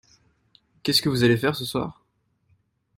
Qu'est-ce que vous allez faire ce soir ?